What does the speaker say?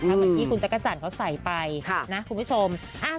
เหมือนที่คุณจักรจรเขาใส่ไปนะคะถูกรอง